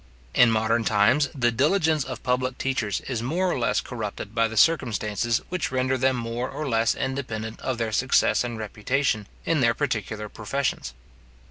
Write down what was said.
In modern times, the diligence of public teachers is more or less corrupted by the circumstances which render them more or less independent of their success and reputation in their particular professions.